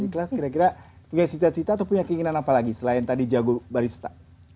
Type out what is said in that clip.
ikhlas kira kira punya cita cita atau punya keinginan apa lagi selain tadi jago barista